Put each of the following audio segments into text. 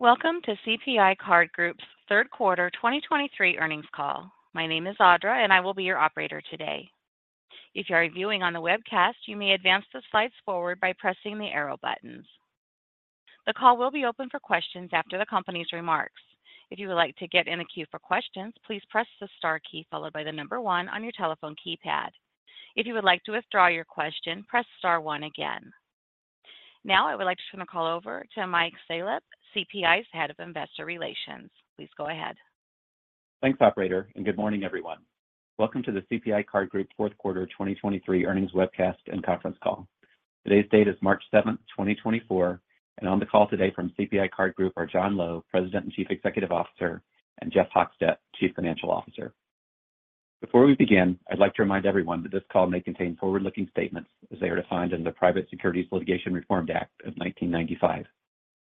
Welcome to CPI Card Group's Third Quarter 2023 Earnings Call. My name is Audra, and I will be your operator today. If you are viewing on the webcast, you may advance the slides forward by pressing the arrow buttons. The call will be open for questions after the company's remarks. If you would like to get in the queue for questions, please press the star key followed by the number one on your telephone keypad. If you would like to withdraw your question, press star one again. Now, I would like to turn the call over to Mike Salop, CPI's Head of Investor Relations. Please go ahead. Thanks, operator, and good morning, everyone. Welcome to the CPI Card Group Fourth Quarter 2023 Earnings Webcast and Conference Call. Today's date is March 7, 2024, and on the call today from CPI Card Group are John Lowe, President and Chief Executive Officer, and Jeff Hochstadt, Chief Financial Officer. Before we begin, I'd like to remind everyone that this call may contain forward-looking statements as they are defined in the Private Securities Litigation Reform Act of 1995.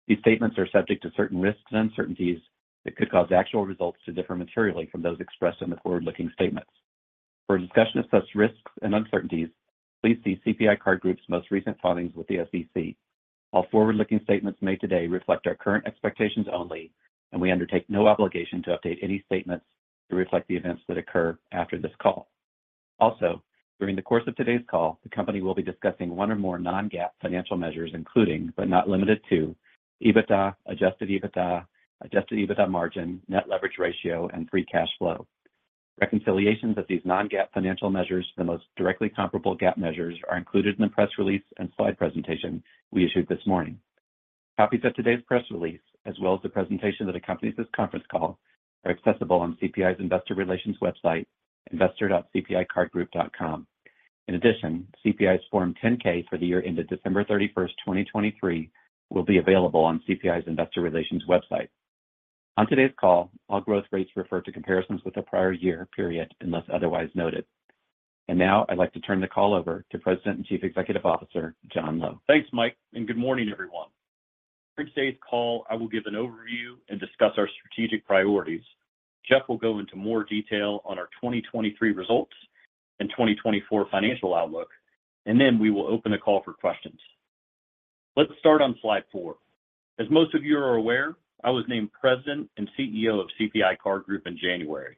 These statements are subject to certain risks and uncertainties that could cause actual results to differ materially from those expressed in the forward-looking statements. For a discussion of such risks and uncertainties, please see CPI Card Group's most recent filings with the SEC. All forward-looking statements made today reflect our current expectations only, and we undertake no obligation to update any statements to reflect the events that occur after this call. Also, during the course of today's call, the company will be discussing one or more non-GAAP financial measures, including, but not limited to, EBITDA, adjusted EBITDA, adjusted EBITDA margin, net leverage ratio, and free cash flow. Reconciliations of these non-GAAP financial measures to the most directly comparable GAAP measures are included in the press release and slide presentation we issued this morning. Copies of today's press release, as well as the presentation that accompanies this conference call, are accessible on CPI's investor relations website, investor.cpicardgroup.com. In addition, CPI's Form 10-K for the year ended December 31, 2023, will be available on CPI's investor relations website. On today's call, all growth rates refer to comparisons with the prior year period, unless otherwise noted. Now I'd like to turn the call over to President and Chief Executive Officer, John Lowe. Thanks, Mike, and good morning, everyone. For today's call, I will give an overview and discuss our strategic priorities. Jeff will go into more detail on our 2023 results and 2024 financial outlook, and then we will open the call for questions. Let's start on slide 4. As most of you are aware, I was named President and CEO of CPI Card Group in January,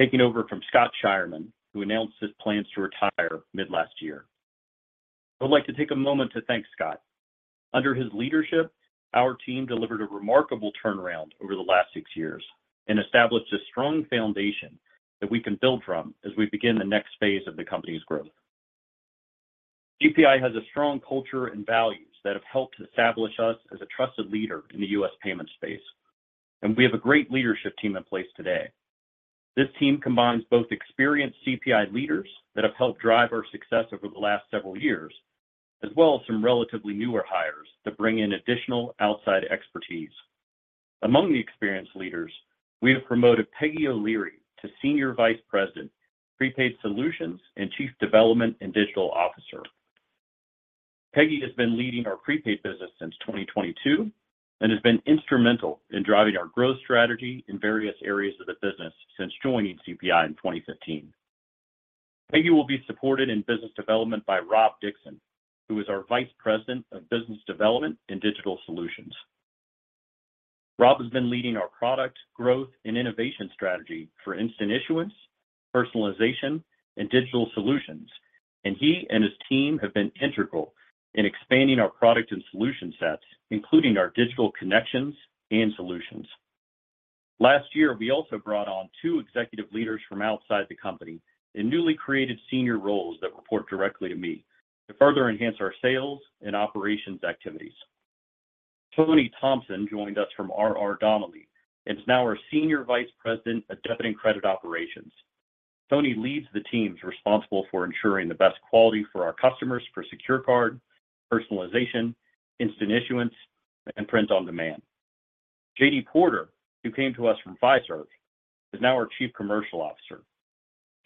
taking over from Scott Scheirman, who announced his plans to retire mid-last year. I would like to take a moment to thank Scott. Under his leadership, our team delivered a remarkable turnaround over the last six years and established a strong foundation that we can build from as we begin the next phase of the company's growth. CPI has a strong culture and values that have helped establish us as a trusted leader in the US payment space, and we have a great leadership team in place today. This team combines both experienced CPI leaders that have helped drive our success over the last several years, as well as some relatively newer hires that bring in additional outside expertise. Among the experienced leaders, we have promoted Peggy O'Leary to Senior Vice President, Prepaid Solutions, and Chief Development and Digital Officer. Peggy has been leading our prepaid business since 2022 and has been instrumental in driving our growth strategy in various areas of the business since joining CPI in 2015. Peggy will be supported in business development by Rob Dixon, who is our Vice President of Business Development and Digital Solutions. Rob has been leading our product growth and innovation strategy for instant issuance, personalization, and digital solutions, and he and his team have been integral in expanding our product and solution sets, including our digital connections and solutions. Last year, we also brought on two executive leaders from outside the company in newly created senior roles that report directly to me to further enhance our sales and operations activities. Toni Thompson joined us from RR Donnelley and is now our Senior Vice President of Debit and Credit Operations. Toni leads the teams responsible for ensuring the best quality for our customers for secure card, personalization, instant issuance, and print on demand. J.D. Porter, who came to us from Fiserv, is now our Chief Commercial Officer.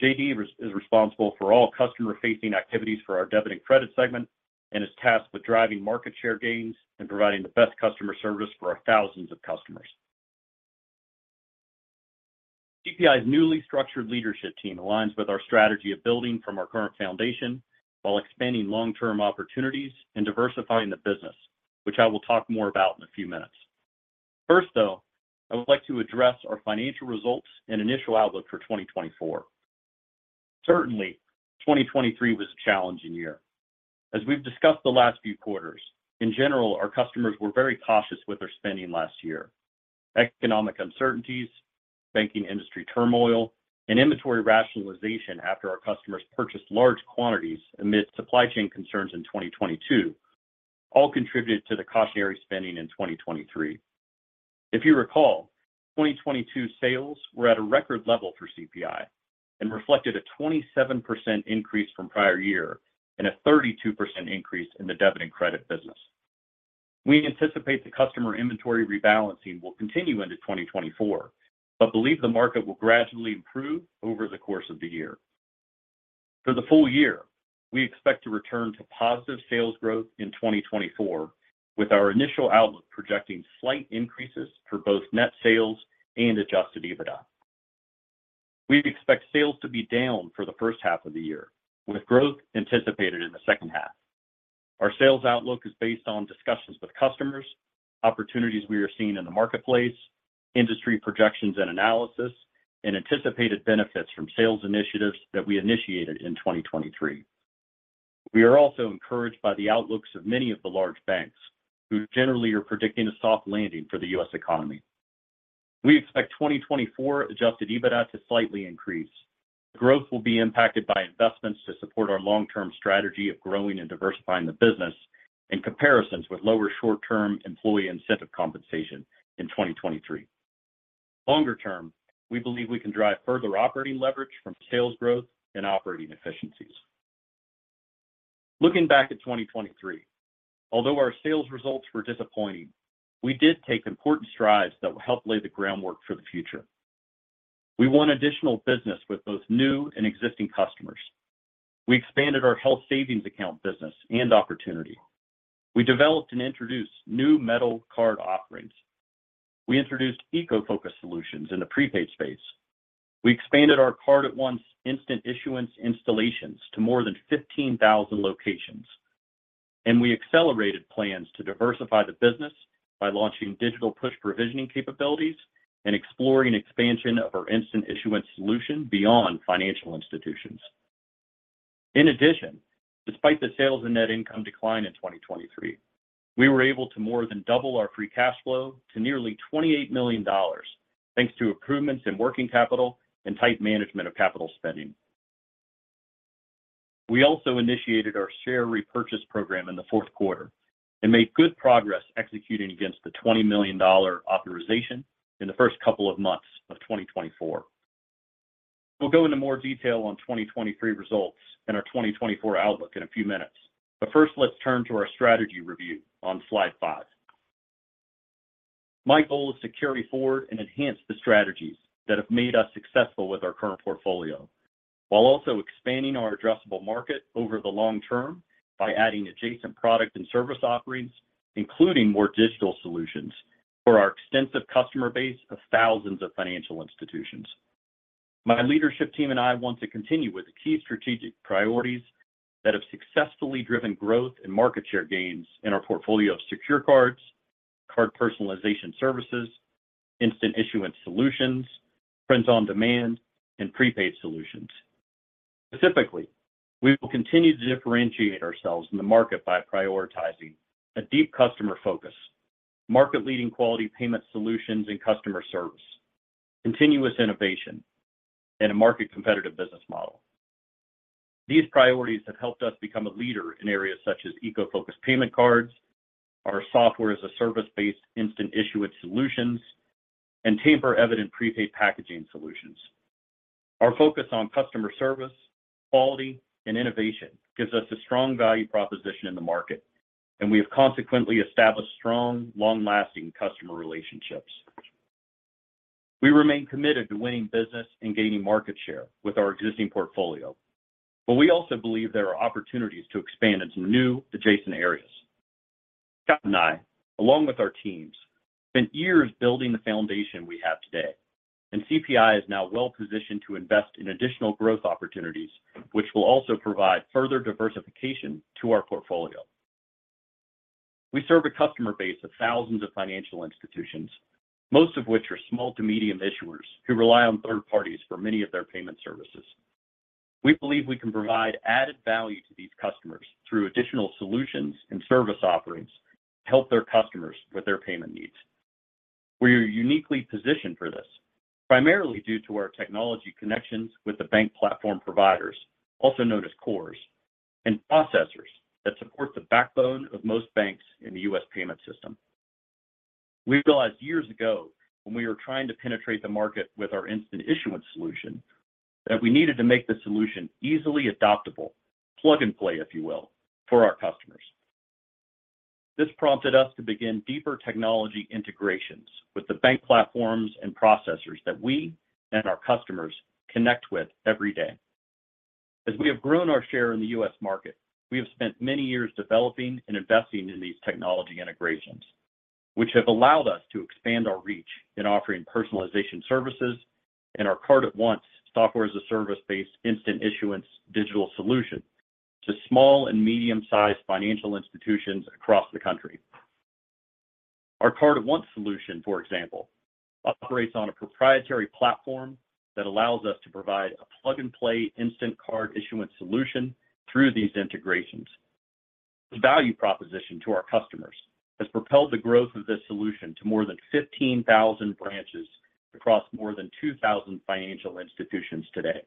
J.D. is responsible for all customer-facing activities for our debit and credit segment and is tasked with driving market share gains and providing the best customer service for our thousands of customers. CPI's newly structured leadership team aligns with our strategy of building from our current foundation while expanding long-term opportunities and diversifying the business, which I will talk more about in a few minutes. First, though, I would like to address our financial results and initial outlook for 2024. Certainly, 2023 was a challenging year. As we've discussed the last few quarters, in general, our customers were very cautious with their spending last year. Economic uncertainties, banking industry turmoil, and inventory rationalization after our customers purchased large quantities amid supply chain concerns in 2022 all contributed to the cautionary spending in 2023. If you recall, 2022 sales were at a record level for CPI and reflected a 27% increase from prior year and a 32% increase in the debit and credit business. We anticipate the customer inventory rebalancing will continue into 2024, but believe the market will gradually improve over the course of the year. For the full year, we expect to return to positive sales growth in 2024, with our initial outlook projecting slight increases for both net sales and adjusted EBITDA. We expect sales to be down for the first half of the year, with growth anticipated in the second half. Our sales outlook is based on discussions with customers, opportunities we are seeing in the marketplace, industry projections and analysis, and anticipated benefits from sales initiatives that we initiated in 2023. We are also encouraged by the outlooks of many of the large banks, who generally are predicting a soft landing for the U.S. economy. We expect 2024 Adjusted EBITDA to slightly increase. Growth will be impacted by investments to support our long-term strategy of growing and diversifying the business, and comparisons with lower short-term employee incentive compensation in 2023. Longer term, we believe we can drive further operating leverage from sales growth and operating efficiencies. Looking back at 2023, although our sales results were disappointing, we did take important strides that will help lay the groundwork for the future. We won additional business with both new and existing customers. We expanded our health savings account business and opportunity. We developed and introduced new metal card offerings. We introduced eco-focused solutions in the prepaid space. We expanded our Card@Once instant issuance installations to more than 15,000 locations, and we accelerated plans to diversify the business by launching digital push provisioning capabilities and exploring expansion of our instant issuance solution beyond financial institutions. In addition, despite the sales and net income decline in 2023, we were able to more than double our free cash flow to nearly $28 million, thanks to improvements in working capital and tight management of capital spending. We also initiated our share repurchase program in the fourth quarter and made good progress executing against the $20 million authorization in the first couple of months of 2024. We'll go into more detail on 2023 results and our 2024 outlook in a few minutes, but first, let's turn to our strategy review on slide 5. My goal is to carry forward and enhance the strategies that have made us successful with our current portfolio, while also expanding our addressable market over the long term by adding adjacent product and service offerings, including more digital solutions for our extensive customer base of thousands of financial institutions. My leadership team and I want to continue with the key strategic priorities that have successfully driven growth and market share gains in our portfolio of secure cards, card personalization services, instant issuance solutions, prints on demand, and prepaid solutions. Specifically, we will continue to differentiate ourselves in the market by prioritizing a deep customer focus, market-leading quality payment solutions and customer service, continuous innovation, and a market-competitive business model. These priorities have helped us become a leader in areas such as eco-focused payment cards, our software as a service-based instant issuance solutions, and tamper-evident prepaid packaging solutions. Our focus on customer service, quality, and innovation gives us a strong value proposition in the market, and we have consequently established strong, long-lasting customer relationships. We remain committed to winning business and gaining market share with our existing portfolio, but we also believe there are opportunities to expand into new adjacent areas. Scott and I, along with our teams, spent years building the foundation we have today, and CPI is now well positioned to invest in additional growth opportunities, which will also provide further diversification to our portfolio. We serve a customer base of thousands of financial institutions, most of which are small to medium issuers who rely on third parties for many of their payment services. We believe we can provide added value to these customers through additional solutions and service offerings to help their customers with their payment needs. We are uniquely positioned for this, primarily due to our technology connections with the bank platform providers, also known as cores, and processors that support the backbone of most banks in the U.S. payment system. We realized years ago when we were trying to penetrate the market with our instant issuance solution, that we needed to make the solution easily adoptable, plug and play, if you will, for our customers. This prompted us to begin deeper technology integrations with the bank platforms and processors that we and our customers connect with every day. As we have grown our share in the U.S. market, we have spent many years developing and investing in these technology integrations, which have allowed us to expand our reach in offering personalization services and our Card@Once software as a service-based instant issuance digital solution to small and medium-sized financial institutions across the country. Our Card@Once solution, for example, operates on a proprietary platform that allows us to provide a plug-and-play instant card issuance solution through these integrations. The value proposition to our customers has propelled the growth of this solution to more than 15,000 branches across more than 2,000 financial institutions today.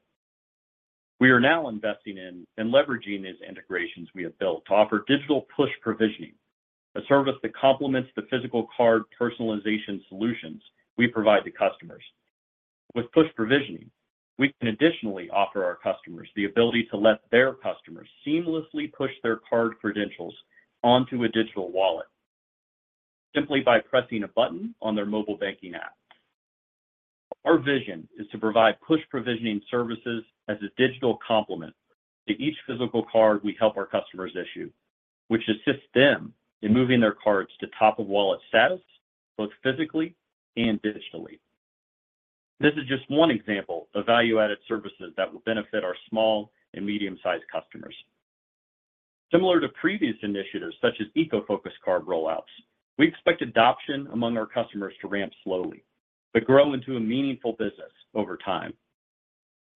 We are now investing in and leveraging these integrations we have built to offer digital push provisioning, a service that complements the physical card personalization solutions we provide to customers. With push provisioning, we can additionally offer our customers the ability to let their customers seamlessly push their card credentials onto a digital wallet simply by pressing a button on their mobile banking app. Our vision is to provide push provisioning services as a digital complement to each physical card we help our customers issue, which assists them in moving their cards to top-of-wallet status... both physically and digitally. This is just one example of value-added services that will benefit our small and medium-sized customers. Similar to previous initiatives, such as eco-focused card rollouts, we expect adoption among our customers to ramp slowly, but grow into a meaningful business over time.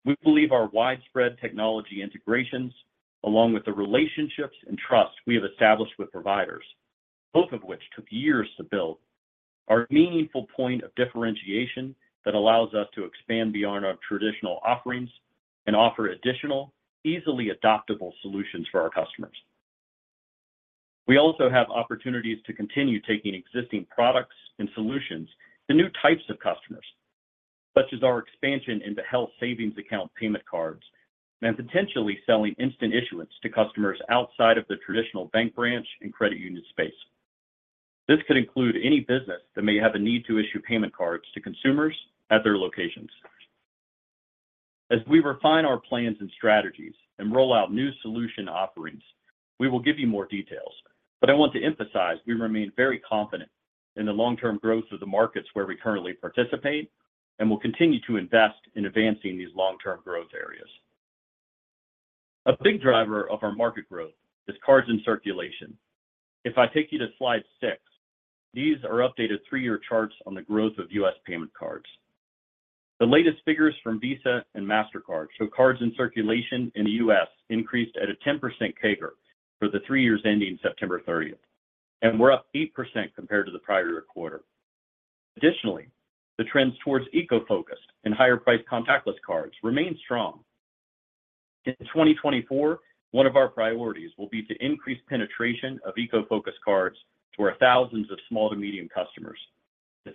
We believe our widespread technology integrations, along with the relationships and trust we have established with providers, both of which took years to build, are a meaningful point of differentiation that allows us to expand beyond our traditional offerings and offer additional, easily adoptable solutions for our customers. We also have opportunities to continue taking existing products and solutions to new types of customers, such as our expansion into health savings account payment cards, and potentially selling instant issuance to customers outside of the traditional bank branch and credit union space. This could include any business that may have a need to issue payment cards to consumers at their locations. As we refine our plans and strategies and roll out new solution offerings, we will give you more details. But I want to emphasize, we remain very confident in the long-term growth of the markets where we currently participate, and will continue to invest in advancing these long-term growth areas. A big driver of our market growth is cards in circulation. If I take you to slide 6, these are updated three-year charts on the growth of U.S. payment cards. The latest figures from Visa and Mastercard show cards in circulation in the U.S. increased at a 10% CAGR for the three years ending September 30, and were up 8% compared to the prior quarter. Additionally, the trends towards eco-focused and higher priced contactless cards remain strong. In 2024, one of our priorities will be to increase penetration of eco-focused cards to our thousands of small to medium customers.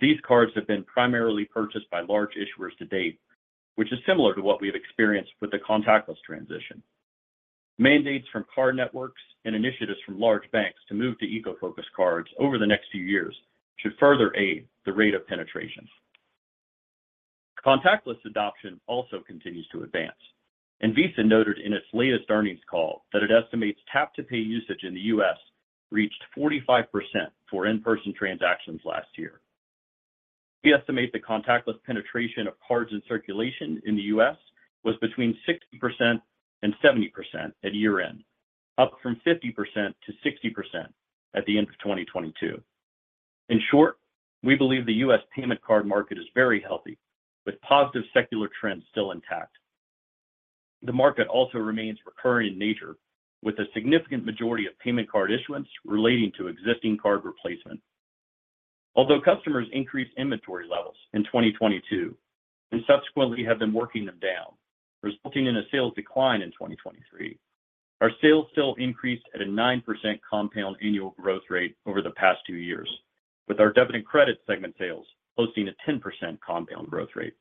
These cards have been primarily purchased by large issuers to date, which is similar to what we have experienced with the contactless transition. Mandates from card networks and initiatives from large banks to move to eco-focused cards over the next few years should further aid the rate of penetration. Contactless adoption also continues to advance, and Visa noted in its latest earnings call that it estimates tap-to-pay usage in the U.S. reached 45% for in-person transactions last year. We estimate the contactless penetration of cards in circulation in the U.S. was between 60% and 70% at year-end, up from 50%-60% at the end of 2022. In short, we believe the U.S. payment card market is very healthy, with positive secular trends still intact. The market also remains recurring in nature, with a significant majority of payment card issuance relating to existing card replacement. Although customers increased inventory levels in 2022 and subsequently have been working them down, resulting in a sales decline in 2023, our sales still increased at a 9% compound annual growth rate over the past 2 years, with our debit and credit segment sales posting a 10% compound growth rate.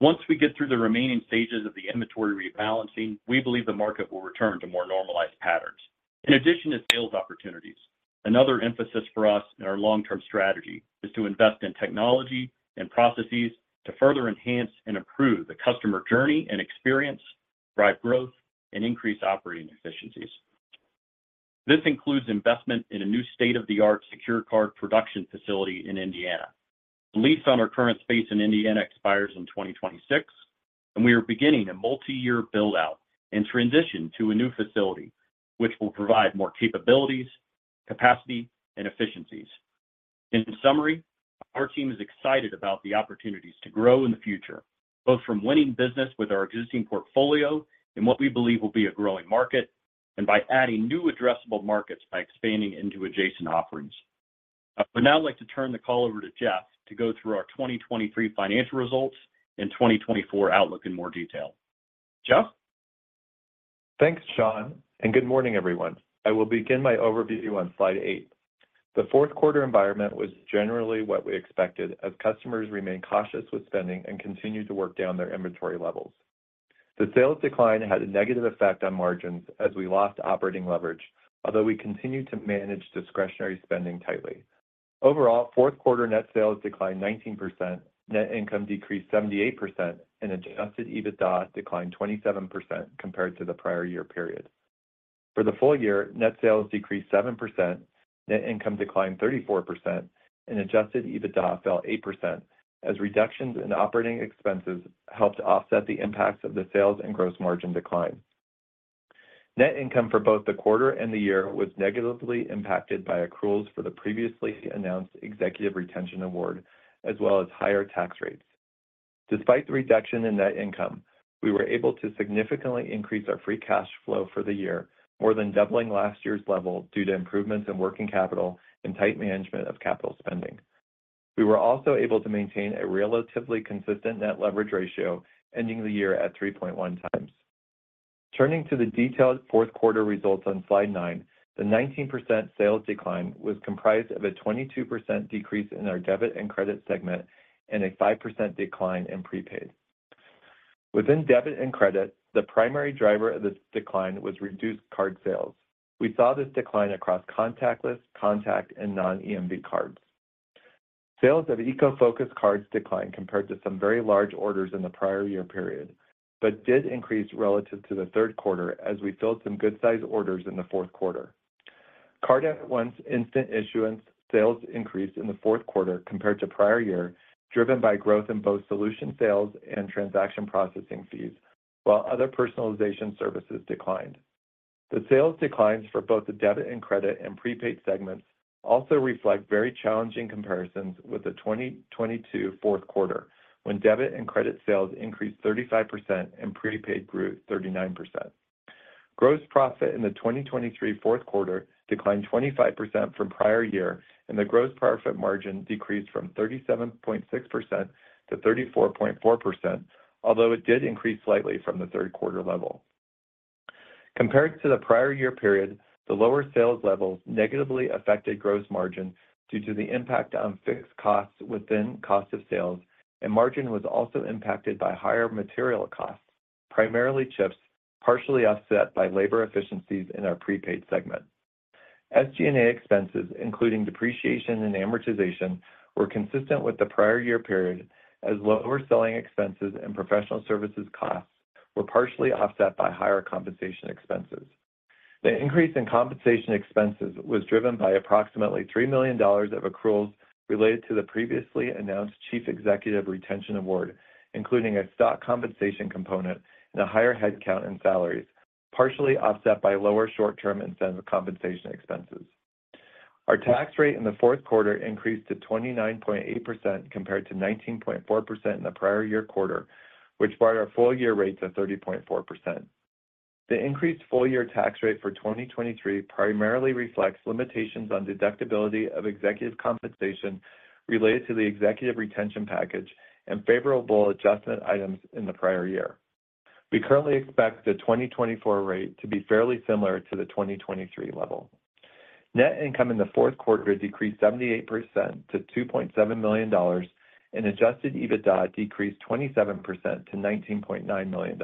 Once we get through the remaining stages of the inventory rebalancing, we believe the market will return to more normalized patterns. In addition to sales opportunities, another emphasis for us in our long-term strategy is to invest in technology and processes to further enhance and improve the customer journey and experience, drive growth and increase operating efficiencies. This includes investment in a new state-of-the-art secure card production facility in Indiana. The lease on our current space in Indiana expires in 2026, and we are beginning a multi-year build-out and transition to a new facility, which will provide more capabilities, capacity, and efficiencies. In summary, our team is excited about the opportunities to grow in the future, both from winning business with our existing portfolio and what we believe will be a growing market, and by adding new addressable markets by expanding into adjacent offerings. I would now like to turn the call over to Jeff to go through our 2023 financial results and 2024 outlook in more detail. Jeff? Thanks, John, and good morning, everyone. I will begin my overview on slide 8. The fourth quarter environment was generally what we expected, as customers remained cautious with spending and continued to work down their inventory levels. The sales decline had a negative effect on margins as we lost operating leverage, although we continued to manage discretionary spending tightly. Overall, fourth quarter net sales declined 19%, net income decreased 78%, and Adjusted EBITDA declined 27% compared to the prior year period. For the full year, net sales decreased 7%, net income declined 34%, and Adjusted EBITDA fell 8%, as reductions in operating expenses helped offset the impacts of the sales and gross margin decline. Net income for both the quarter and the year was negatively impacted by accruals for the previously announced executive retention award, as well as higher tax rates. Despite the reduction in net income, we were able to significantly increase our free cash flow for the year, more than doubling last year's level due to improvements in working capital and tight management of capital spending. We were also able to maintain a relatively consistent net leverage ratio, ending the year at 3.1 times. Turning to the detailed fourth quarter results on slide 9, the 19% sales decline was comprised of a 22% decrease in our debit and credit segment, and a 5% decline in prepaid. Within debit and credit, the primary driver of this decline was reduced card sales. We saw this decline across contactless, contact, and non-EMV cards. Sales of eco-focused cards declined compared to some very large orders in the prior year period, but did increase relative to the third quarter as we filled some good-sized orders in the fourth quarter. Card@Once instant issuance sales increased in the fourth quarter compared to prior year, driven by growth in both solution sales and transaction processing fees, while other personalization services declined. The sales declines for both the debit and credit and prepaid segments also reflect very challenging comparisons with the 2022 fourth quarter, when debit and credit sales increased 35% and prepaid grew 39%. Gross profit in the 2023 fourth quarter declined 25% from prior year, and the gross profit margin decreased from 37.6% to 34.4%, although it did increase slightly from the third quarter level. Compared to the prior year period, the lower sales levels negatively affected gross margin due to the impact on fixed costs within cost of sales, and margin was also impacted by higher material costs, primarily chips, partially offset by labor efficiencies in our prepaid segment. SG&A expenses, including depreciation and amortization, were consistent with the prior year period, as lower selling expenses and professional services costs were partially offset by higher compensation expenses. The increase in compensation expenses was driven by approximately $3 million of accruals related to the previously announced Chief Executive Retention Award, including a stock compensation component and a higher headcount in salaries, partially offset by lower short-term incentive compensation expenses. Our tax rate in the fourth quarter increased to 29.8%, compared to 19.4% in the prior year quarter, which brought our full year rate to 30.4%. The increased full year tax rate for 2023 primarily reflects limitations on deductibility of executive compensation related to the executive retention package and favorable adjustment items in the prior year. We currently expect the 2024 rate to be fairly similar to the 2023 level. Net income in the fourth quarter decreased 78% to $2.7 million, and Adjusted EBITDA decreased 27% to $19.9 million.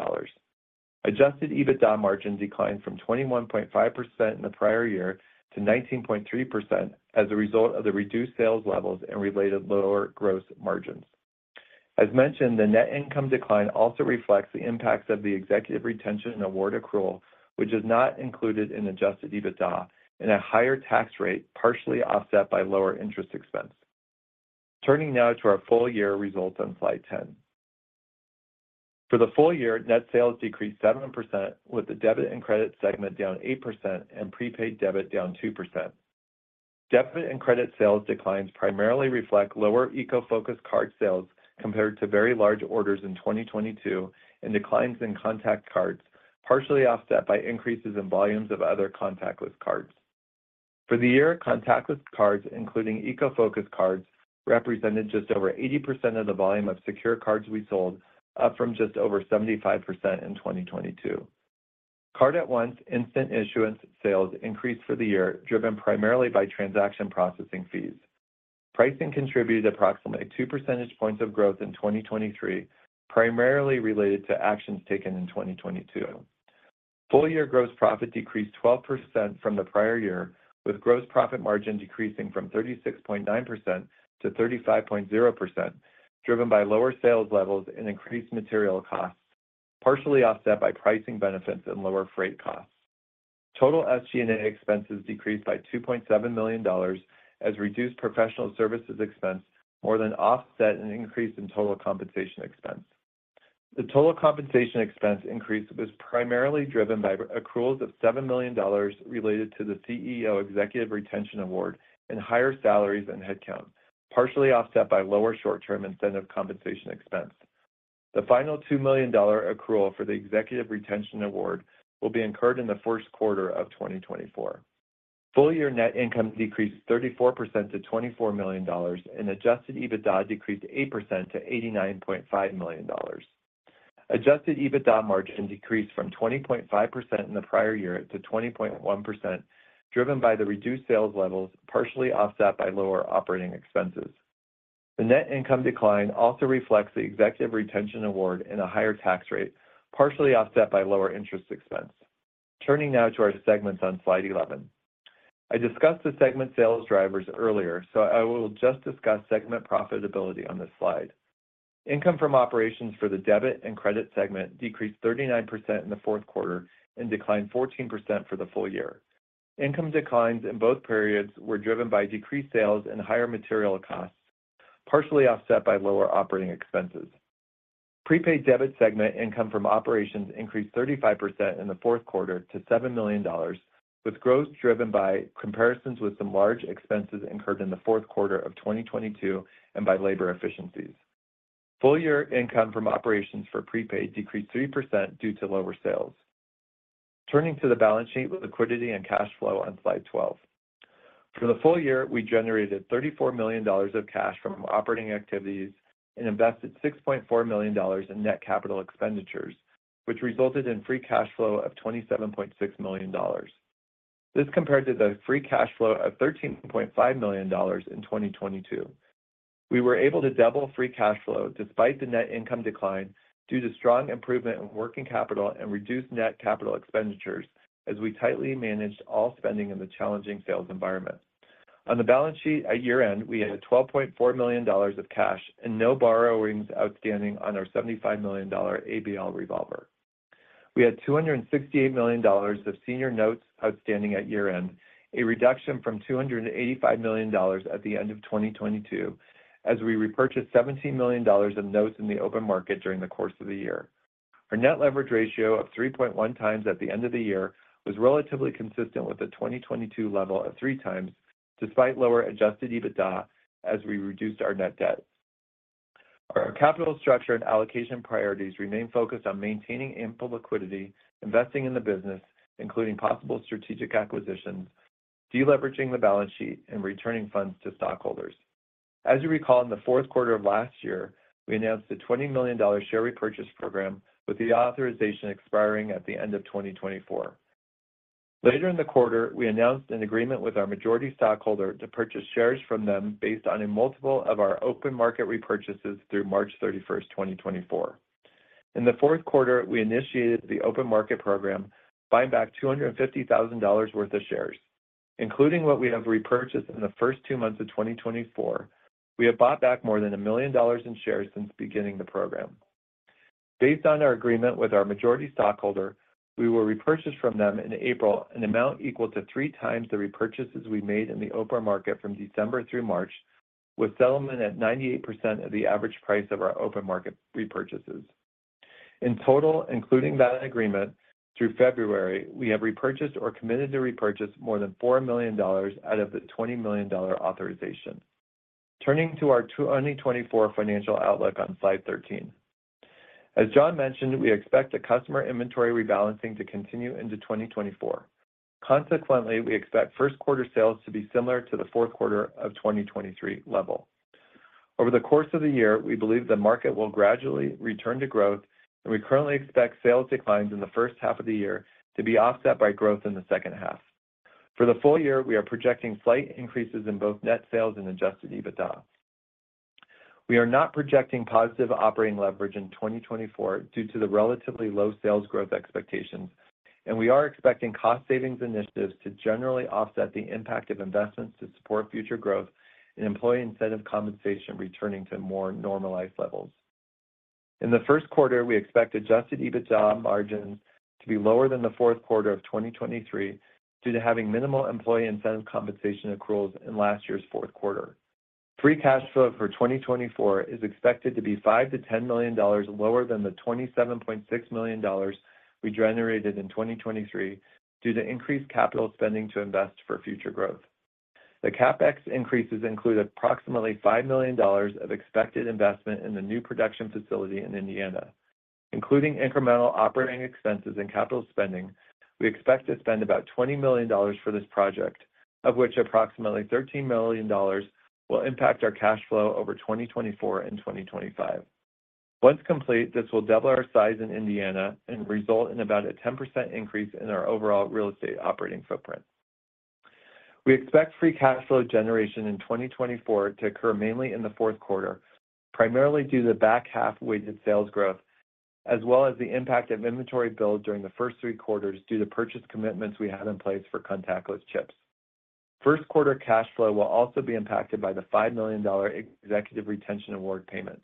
Adjusted EBITDA margin declined from 21.5% in the prior year to 19.3% as a result of the reduced sales levels and related lower gross margins. As mentioned, the net income decline also reflects the impacts of the executive retention award accrual, which is not included in Adjusted EBITDA, and a higher tax rate, partially offset by lower interest expense. Turning now to our full year results on Slide 10. For the full year, net sales decreased 7%, with the debit and credit segment down 8% and prepaid debit down 2%. Debit and credit sales declines primarily reflect lower Eco-focused card sales compared to very large orders in 2022 and declines in contact cards, partially offset by increases in volumes of other contactless cards. For the year, contactless cards, including Eco-focused cards, represented just over 80% of the volume of secure cards we sold, up from just over 75% in 2022. Card@Once instant issuance sales increased for the year, driven primarily by transaction processing fees. Pricing contributed approximately two percentage points of growth in 2023, primarily related to actions taken in 2022. Full year gross profit decreased 12% from the prior year, with gross profit margin decreasing from 36.9% to 35.0%, driven by lower sales levels and increased material costs, partially offset by pricing benefits and lower freight costs. Total SG&A expenses decreased by $2.7 million as reduced professional services expense more than offset an increase in total compensation expense. The total compensation expense increase was primarily driven by accruals of $7 million related to the CEO executive retention award and higher salaries and headcount, partially offset by lower short-term incentive compensation expense. The final $2 million accrual for the executive retention award will be incurred in the first quarter of 2024. Full year net income decreased 34% to $24 million, and Adjusted EBITDA decreased 8% to $89.5 million. Adjusted EBITDA margin decreased from 20.5% in the prior year to 20.1%, driven by the reduced sales levels, partially offset by lower operating expenses. The net income decline also reflects the executive retention award and a higher tax rate, partially offset by lower interest expense. Turning now to our segments on Slide 11. I discussed the segment sales drivers earlier, so I will just discuss segment profitability on this slide. Income from operations for the debit and credit segment decreased 39% in the fourth quarter and declined 14% for the full year. Income declines in both periods were driven by decreased sales and higher material costs, partially offset by lower operating expenses. Prepaid debit segment income from operations increased 35% in the fourth quarter to $7 million, with growth driven by comparisons with some large expenses incurred in the fourth quarter of 2022 and by labor efficiencies. Full-year income from operations for prepaid decreased 3% due to lower sales. Turning to the balance sheet with liquidity and cash flow on Slide 12. For the full year, we generated $34 million of cash from operating activities and invested $6.4 million in net capital expenditures, which resulted in free cash flow of $27.6 million. This compared to the free cash flow of $13.5 million in 2022. We were able to double free cash flow despite the net income decline due to strong improvement in working capital and reduced net capital expenditures as we tightly managed all spending in the challenging sales environment. On the balance sheet at year-end, we had $12.4 million of cash and no borrowings outstanding on our $75 million ABL revolver. We had $268 million of senior notes outstanding at year-end, a reduction from $285 million at the end of 2022, as we repurchased $17 million of notes in the open market during the course of the year. Our net leverage ratio of 3.1 times at the end of the year was relatively consistent with the 2022 level of 3 times, despite lower Adjusted EBITDA as we reduced our net debt. Our capital structure and allocation priorities remain focused on maintaining ample liquidity, investing in the business, including possible strategic acquisitions, de-leveraging the balance sheet, and returning funds to stockholders. As you recall, in the fourth quarter of last year, we announced a $20 million share repurchase program, with the authorization expiring at the end of 2024. Later in the quarter, we announced an agreement with our majority stockholder to purchase shares from them based on a multiple of our open market repurchases through March 31, 2024. In the fourth quarter, we initiated the open market program, buying back $250,000 worth of shares. Including what we have repurchased in the first two months of 2024, we have bought back more than $1 million in shares since beginning the program. Based on our agreement with our majority stockholder, we will repurchase from them in April an amount equal to 3 times the repurchases we made in the open market from December through March, with settlement at 98% of the average price of our open market repurchases. In total, including that agreement, through February, we have repurchased or committed to repurchase more than $4 million out of the $20 million authorization. Turning to our 2024 financial outlook on slide 13. As John mentioned, we expect the customer inventory rebalancing to continue into 2024. Consequently, we expect first quarter sales to be similar to the fourth quarter of 2023 level. Over the course of the year, we believe the market will gradually return to growth, and we currently expect sales declines in the first half of the year to be offset by growth in the second half. For the full year, we are projecting slight increases in both net sales and Adjusted EBITDA. We are not projecting positive operating leverage in 2024 due to the relatively low sales growth expectations, and we are expecting cost savings initiatives to generally offset the impact of investments to support future growth and employee incentive compensation returning to more normalized levels. In the first quarter, we expect Adjusted EBITDA margins to be lower than the fourth quarter of 2023 due to having minimal employee incentive compensation accruals in last year's fourth quarter. Free cash flow for 2024 is expected to be $5 million-$10 million lower than the $27.6 million we generated in 2023 due to increased capital spending to invest for future growth. The CapEx increases include approximately $5 million of expected investment in the new production facility in Indiana. Including incremental operating expenses and capital spending, we expect to spend about $20 million for this project, of which approximately $13 million will impact our cash flow over 2024 and 2025. Once complete, this will double our size in Indiana and result in about a 10% increase in our overall real estate operating footprint. We expect free cash flow generation in 2024 to occur mainly in the fourth quarter, primarily due to the back half weighted sales growth, as well as the impact of inventory build during the first three quarters due to purchase commitments we have in place for contactless chips. First quarter cash flow will also be impacted by the $5 million executive retention award payment.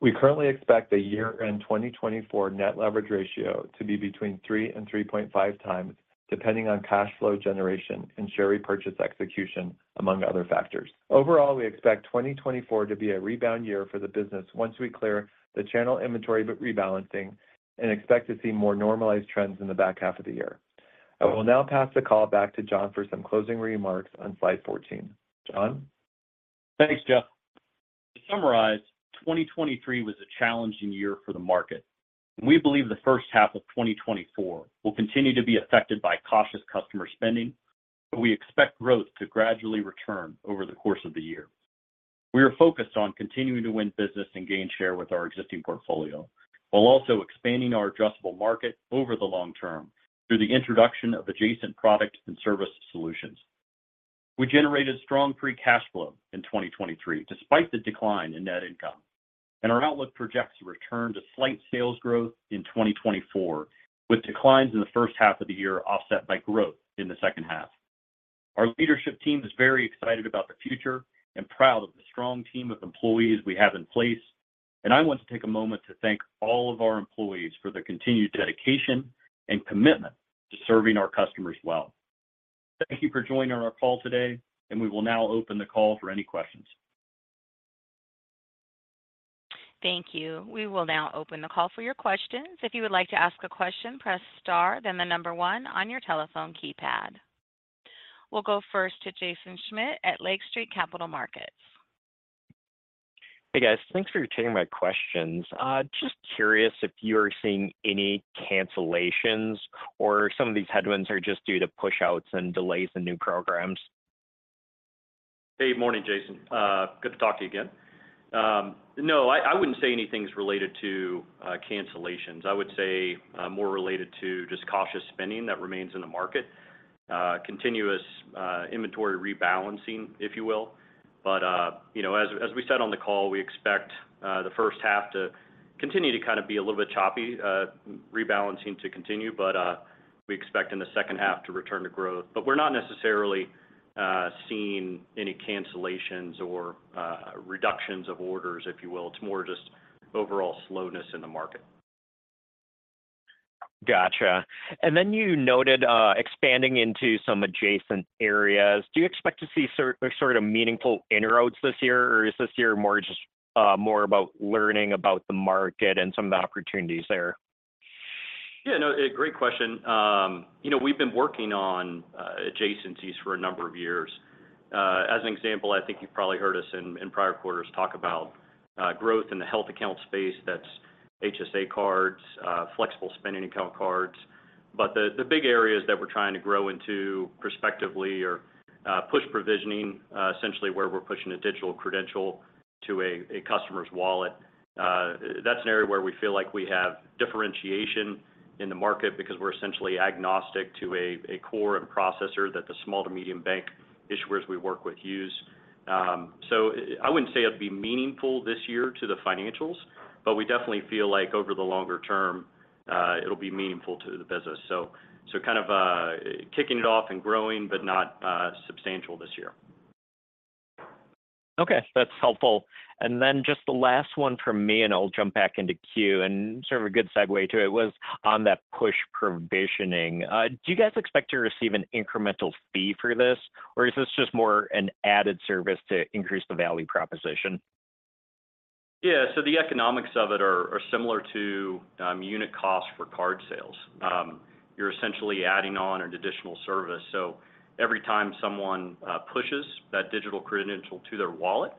We currently expect the year-end 2024 net leverage ratio to be between 3 and 3.5 times, depending on cash flow generation and share repurchase execution, among other factors. Overall, we expect 2024 to be a rebound year for the business once we clear the channel inventory, but rebalancing and expect to see more normalized trends in the back half of the year. I will now pass the call back to John for some closing remarks on slide 14. John? Thanks, Jeff. To summarize, 2023 was a challenging year for the market. We believe the first half of 2024 will continue to be affected by cautious customer spending, but we expect growth to gradually return over the course of the year. We are focused on continuing to win business and gain share with our existing portfolio, while also expanding our addressable market over the long term through the introduction of adjacent product and service solutions. We generated strong free cash flow in 2023, despite the decline in net income, and our outlook projects a return to slight sales growth in 2024, with declines in the first half of the year offset by growth in the second half. Our leadership team is very excited about the future and proud of the strong team of employees we have in place, and I want to take a moment to thank all of our employees for their continued dedication and commitment to serving our customers well. Thank you for joining our call today, and we will now open the call for any questions. Thank you. We will now open the call for your questions. If you would like to ask a question, press star, then the number one on your telephone keypad. We'll go first to Jaeson Schmidt at Lake Street Capital Markets. Hey, guys. Thanks for taking my questions. Just curious if you are seeing any cancellations or some of these headwinds are just due to pushouts and delays in new programs? Good morning, Jaeson. Good to talk to you again. No, I wouldn't say anything's related to cancellations. I would say more related to just cautious spending that remains in the market, continuous inventory rebalancing, if you will. But you know, as we said on the call, we expect the first half to continue to kind of be a little bit choppy, rebalancing to continue, but, we expect in the second half to return to growth. But we're not necessarily, seeing any cancellations or, reductions of orders, if you will. It's more just overall slowness in the market. Gotcha. And then you noted, expanding into some adjacent areas. Do you expect to see certain sort of meaningful inroads this year, or is this year more just, more about learning about the market and some of the opportunities there? Yeah, no, a great question. You know, we've been working on adjacencies for a number of years. As an example, I think you've probably heard us in prior quarters talk about growth in the health account space. That's HSA cards, flexible spending account cards. But the big areas that we're trying to grow into prospectively are push provisioning, essentially, where we're pushing a digital credential to a customer's wallet. That's an area where we feel like we have differentiation in the market because we're essentially agnostic to a core and processor that the small to medium bank issuers we work with use. So I wouldn't say it'd be meaningful this year to the financials, but we definitely feel like over the longer term, it'll be meaningful to the business. So, kind of kicking it off and growing, but not substantial this year. Okay, that's helpful. And then just the last one from me, and I'll jump back into queue, and sort of a good segue to it was on that push provisioning. Do you guys expect to receive an incremental fee for this, or is this just more an added service to increase the value proposition? Yeah, so the economics of it are similar to unit costs for card sales. You're essentially adding on an additional service, so every time someone pushes that digital credential to their wallet,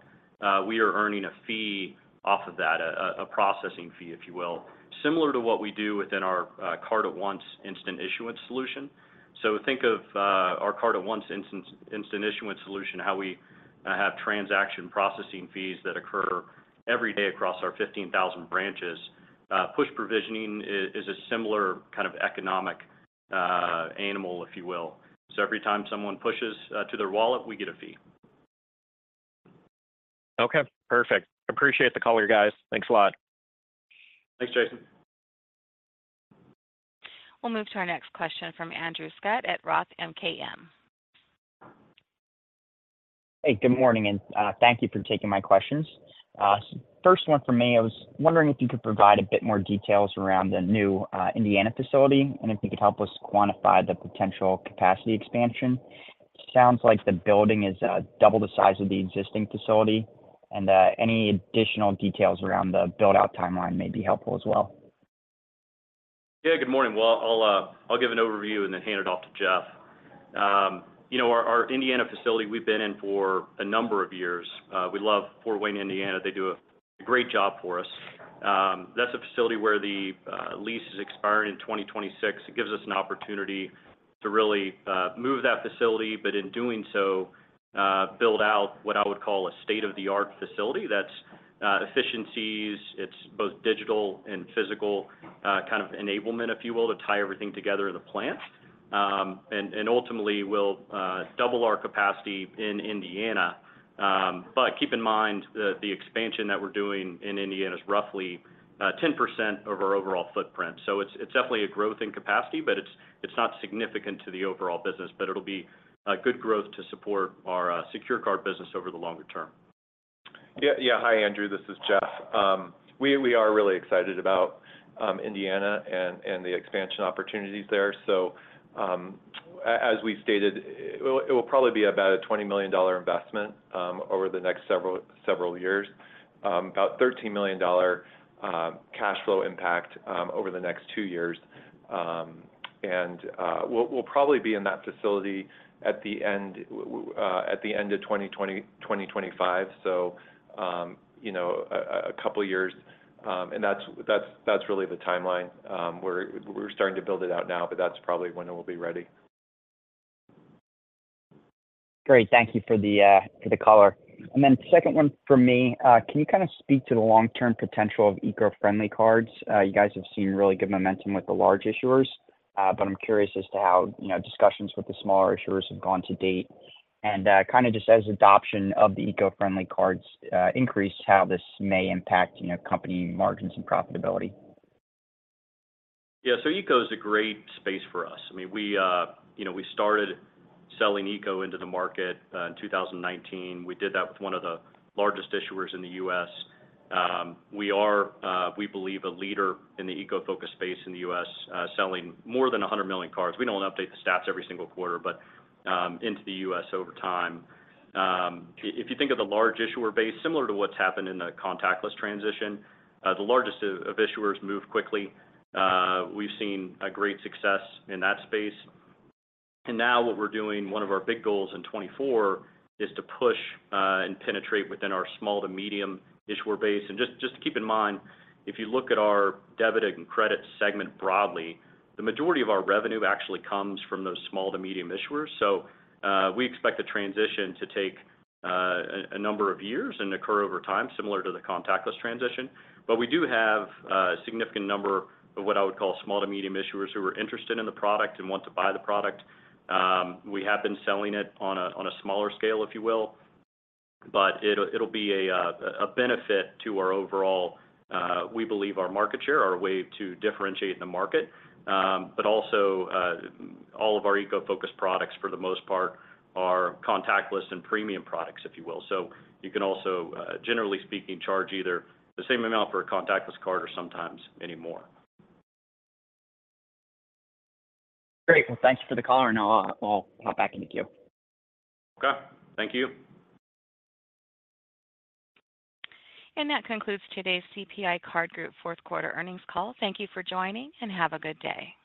we are earning a fee off of that, a processing fee, if you will. Similar to what we do within our Card@Once instant issuance solution. So think of our Card@Once instant issuance solution, how we have transaction processing fees that occur every day across our 15,000 branches. Push provisioning is a similar kind of economic animal, if you will. So every time someone pushes to their wallet, we get a fee. Okay, perfect. Appreciate the call you guys. Thanks a lot. Thanks, Jaeson. We'll move to our next question from Andrew Scutt at Roth MKM. Hey, good morning, and, thank you for taking my questions. First one for me, I was wondering if you could provide a bit more details around the new, Indiana facility, and if you could help us quantify the potential capacity expansion. Sounds like the building is, double the size of the existing facility, and, any additional details around the build-out timeline may be helpful as well. Yeah, good morning. Well, I'll, I'll give an overview and then hand it off to Jeff. You know, our, our Indiana facility, we've been in for a number of years. We love Fort Wayne, Indiana. They do a great job for us. That's a facility where the, lease is expiring in 2026. It gives us an opportunity to really, move that facility, but in doing so, build out what I would call a state-of-the-art facility. That's, efficiencies, it's both digital and physical, kind of enablement, if you will, to tie everything together in the plant. And, ultimately, we'll, double our capacity in Indiana. But keep in mind that the expansion that we're doing in Indiana is roughly, 10% of our overall footprint. So it's definitely a growth in capacity, but it's not significant to the overall business, but it'll be a good growth to support our secure card business over the longer term. Yeah. Hi, Andrew, this is Jeff. We are really excited about Indiana and the expansion opportunities there. So, as we stated, it will probably be about a $20 million investment over the next several years. About a $13 million cash flow impact over the next two years. And we'll probably be in that facility at the end of 2025. So, you know, a couple of years, and that's really the timeline. We're starting to build it out now, but that's probably when it will be ready. Great. Thank you for the, for the call. And then the second one for me, can you kind of speak to the long-term potential of eco-friendly cards? You guys have seen really good momentum with the large issuers, but I'm curious as to how, you know, discussions with the smaller issuers have gone to date. And, kind of just as adoption of the eco-friendly cards, increase, how this may impact, you know, company margins and profitability. Yeah, so eco is a great space for us. I mean, we, you know, we started selling eco into the market, in 2019. We did that with one of the largest issuers in the U.S. We are, we believe, a leader in the eco-focused space in the U.S., selling more than 100 million cards. We don't update the stats every single quarter, but, into the U.S. over time. If you think of the large issuer base, similar to what's happened in the contactless transition, the largest of, of issuers move quickly. We've seen a great success in that space. And now what we're doing, one of our big goals in 2024, is to push, and penetrate within our small to medium issuer base. And just keep in mind, if you look at our debit and credit segment broadly, the majority of our revenue actually comes from those small to medium issuers. So, we expect the transition to take a number of years and occur over time, similar to the contactless transition. But we do have a significant number of what I would call small to medium issuers who are interested in the product and want to buy the product. We have been selling it on a smaller scale, if you will, but it'll be a benefit to our overall, we believe our market share, our way to differentiate in the market. But also, all of our eco-focused products, for the most part, are contactless and premium products, if you will. So you can also, generally speaking, charge either the same amount for a contactless card or sometimes anymore. Great. Well, thank you for the call, and I'll, I'll pop back in the queue. Okay. Thank you. That concludes today's CPI Card Group fourth quarter earnings call. Thank you for joining, and have a good day.